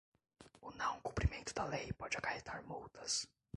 O não cumprimento da lei pode acarretar multas.